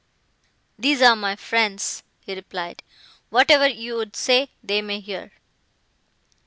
"These are my friends," he replied, "whatever you would say, they may hear."